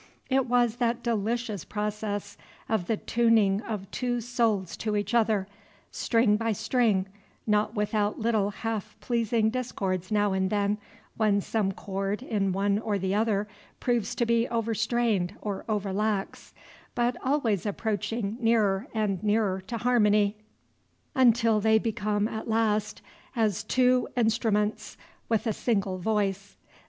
It was that delicious process of the tuning of two souls to each other, string by string, not without little half pleasing discords now and then when some chord in one or the other proves to be overstrained or over lax, but always approaching nearer and nearer to harmony, until they become at last as two instruments with a single voice.